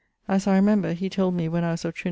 As I remember he told me when I was of Trin.